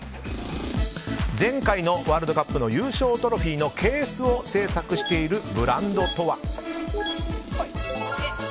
前回のワールドカップの優勝トロフィーのケースを制作しているブランドとは。